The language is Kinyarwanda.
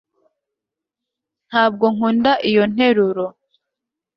ntabwo nkunda iyo nteruro